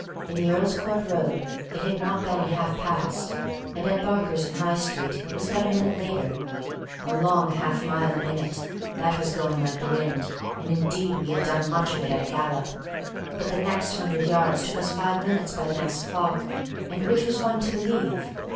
In the Earl's Court Road it had not been half past, and at Barker's in High Street it was but a minute later. A long half mile a minute, that was going like the wind, and indeed we had done much of it at a gallop. But the next hundred yards took us five minutes by the next clock, and which was one to believe?